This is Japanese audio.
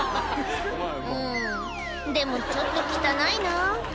うーん、でもちょっと汚いなあ。